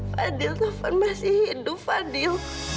fadil kapan masih hidup fadil